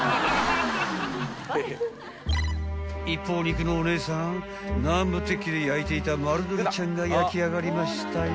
［一方肉のお姉さん南部鉄器で焼いていた丸鶏ちゃんが焼き上がりましたよ］